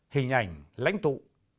hình ảnh lãnh tụ